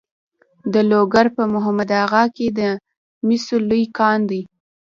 د لوګر په محمد اغه کې د مسو لوی کان دی.